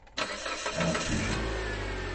Rastice